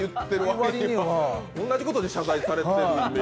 同じことで謝罪されてるんで。